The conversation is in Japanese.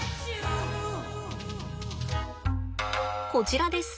こちらです。